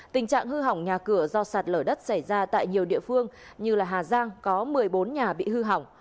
tình trạng hư hỏng nhà cửa do sạt lở đất xảy ra tại nhiều địa phương như hà giang có một mươi bốn nhà bị hư hỏng